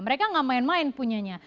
mereka gak main main punya nya